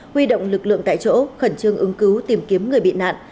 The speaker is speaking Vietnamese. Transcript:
huy động lực lượng tại chỗ khẩn trương ứng cứu tìm kiếm người bị nạn